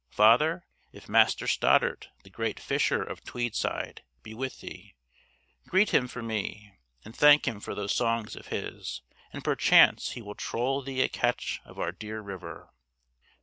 Father, if Master Stoddard, the great fisher of Tweed side, be with thee, greet him for me, and thank him for those songs of his, and perchance he will troll thee a catch of our dear River.